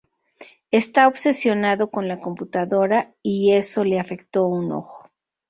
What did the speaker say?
Está obsesionado con la computadora y eso le afectó un ojo.